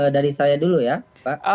dari saya dulu ya